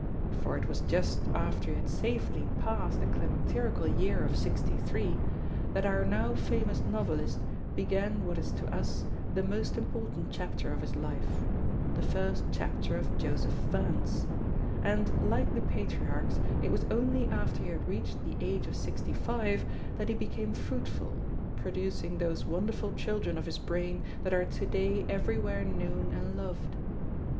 For it was just after he had safely passed the climacterical year of sixty three, that our now famous novelist began what is to us the most important chapter of his life, the first chapter of Joseph Vance; and, like the Patriarchs, it was only after he had reached the age of sixty five that he became fruitful, producing those wonderful children of his brain that are to day everywhere known and loved.